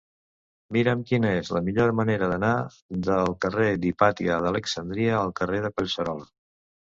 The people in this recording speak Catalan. Mira'm quina és la millor manera d'anar del carrer d'Hipàtia d'Alexandria al carrer de Collserola.